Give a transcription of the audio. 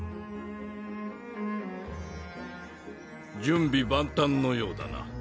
準備万端のようだな。